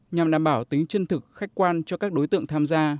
nhằm đảm bảo tính chân thực khách quan cho các đối tượng tham gia